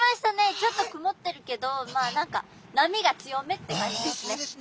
ちょっとくもってるけどまあ何か波が強めって感じですね。